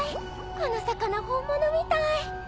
この魚本物みたい！